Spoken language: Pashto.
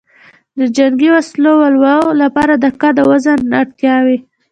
د جنګي وسلو لواو لپاره د قد او وزن اړتیاوې